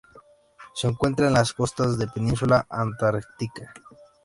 Se encuentran en las costas de la Península Antártica.